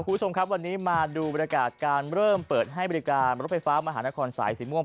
คุณผู้ชมครับวันนี้มาดูบรรยากาศการเริ่มเปิดให้บริการรถไฟฟ้ามหานครสายสีม่วง